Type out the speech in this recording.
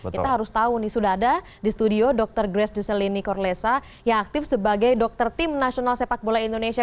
kita harus tahu nih sudah ada di studio dr grace duselini korlesa yang aktif sebagai dokter tim nasional sepak bola indonesia